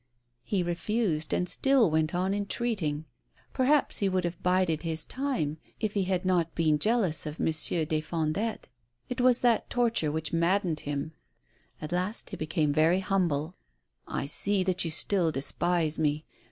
He refused, and still went on entreating. Perhaps he would have bided his time if he had not been jealous of Monsieur des Fondettes. It was that torture which mad dened him. At last he became very humble. " I see that you still despise me.